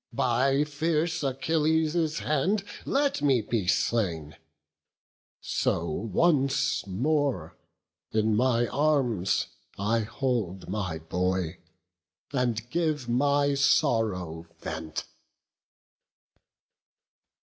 by fierce Achilles' hand Let me be slain, so once more in my arms I hold my boy, and give my sorrow vent."